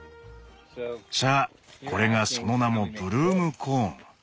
さあこれがその名も「ブルームコーン」。